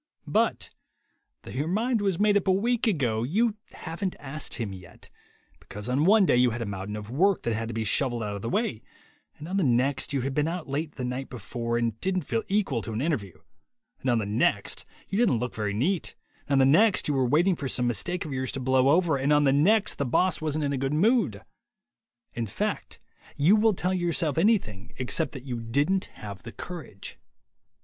But though your mind was made up a week ago, you haven't asked him yet because on one day you had a mountain of work that had to be shovelled out of the way, and on the next you had been out late the night before and didn't feel equal to an interview, and on the next you didn't look very neat, and on the next you were waiting for some mistake of yours to "blow over," and on the next the boss wasn't in a good mood. In fact, you will tell yourself anything except that you didn't have the courage.